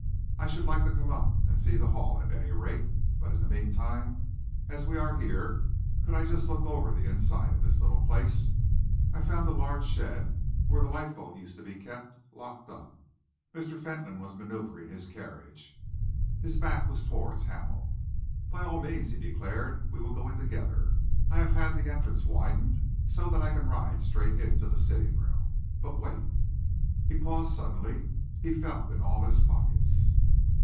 "I should like to come up and see the Hall, at any rate, but in the meantime, as we are here, could I just look over the inside of this little place? I found the large shed where the lifeboat used to be kept, locked up." Mr. Fentolin was manoeuvring his carriage. His back was towards Hamel. "By all means," he declared. "We will go in together. I have had the entrance widened so that I can ride straight into the sitting room. But wait." He paused suddenly. He felt in all his pockets.